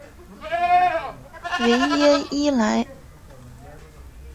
维耶伊莱。